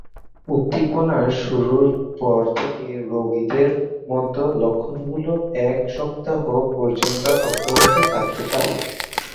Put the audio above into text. উদ্দীপনা শুরুর পর থেকে রোগীদের মধ্যে লক্ষণগুলো এক সপ্তাহ পর্যন্ত অব্যাহত থাকতে পারে।